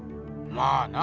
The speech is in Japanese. まあな。